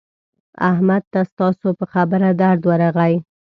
احمد ته ستاسو په خبره درد ورغی.